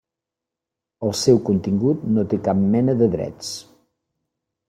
El seu contingut no té cap mena de drets.